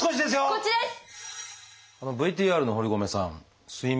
こちらがですね